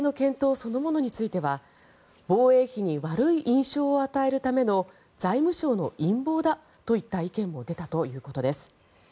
そのものについては防衛費に悪い印象を与えるための財務省の陰謀だという意見も出たということです。